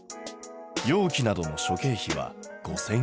容器などの諸経費は５，０００円。